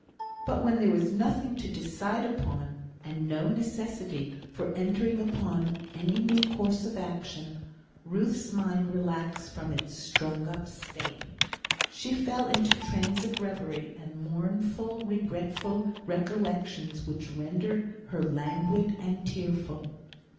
But when there was nothing to decide upon, and no necessity for entering upon any new course of action, Ruth's mind relaxed from its strung up state. She fell into trains of reverie, and mournful regretful recollections which rendered her languid and tearful.